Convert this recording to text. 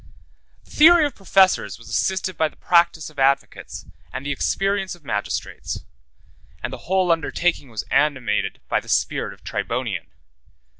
71 The theory of professors was assisted by the practice of advocates, and the experience of magistrates; and the whole undertaking was animated by the spirit of Tribonian.